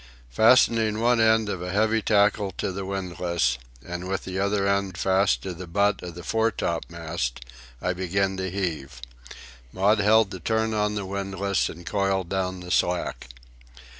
Fastening one end of a heavy tackle to the windlass, and with the other end fast to the butt of the foretopmast, I began to heave. Maud held the turn on the windlass and coiled down the slack.